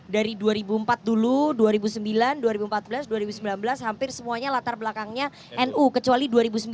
dari dua ribu empat dulu dua ribu sembilan dua ribu empat belas dua ribu sembilan belas hampir semuanya latar belakangnya nu kecuali dua ribu sembilan belas